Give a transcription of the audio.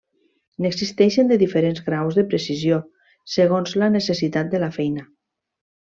N'existeixen de diferents graus de precisió segons la necessitat de la feina.